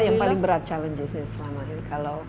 yang paling berat challengesnya selama ini